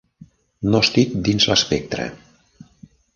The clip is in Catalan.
No estic dins l'espectre.